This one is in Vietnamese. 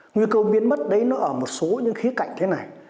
nguy cơ biến mất đấy nó ở một số những khía cạnh thế này